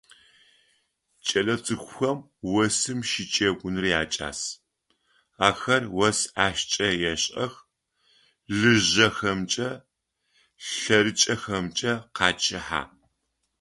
Кӏэлэцӏыкӏухэм осым щыджэгуныр якӏас: ахэр ос ӏашкӏэ ешӏэх, лыжэхэмкӏэ, лъэрычъэхэмкӏэ къачъыхьэ.